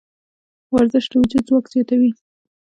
ورزش د وجود ځواک زیاتوي.